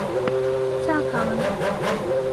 萨卡文。